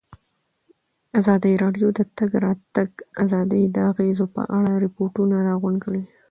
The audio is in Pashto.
ازادي راډیو د د تګ راتګ ازادي د اغېزو په اړه ریپوټونه راغونډ کړي.